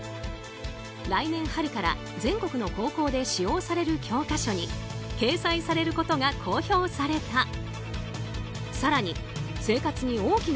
来年春から全国の高校で使用される教科書に掲載されることが公表された。